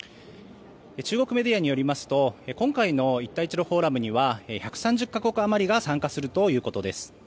中国メディアによりますと今回の一帯一路フォーラムには１３０か国あまりが参加するということです。